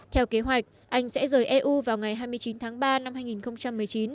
theo kế hoạch anh sẽ rời eu vào ngày hai mươi chín tháng ba năm hai nghìn một mươi chín